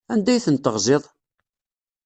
Anda ay ten-teɣziḍ?